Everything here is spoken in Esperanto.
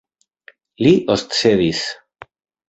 Li oscedis.